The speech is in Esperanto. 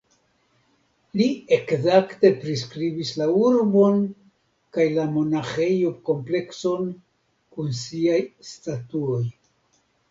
Li ekzakte priskribis la urbon kaj la monaĥejo-komplekson kun siaj statuoj.